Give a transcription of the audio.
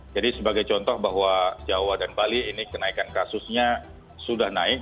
jadi sebagai contoh bahwa jawa dan bali ini kenaikan kasusnya sudah naik